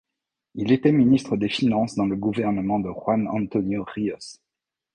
Il était ministre des Finances dans le gouvernement de Juan Antonio Ríos.